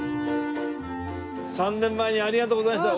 ３年前にありがとうございました。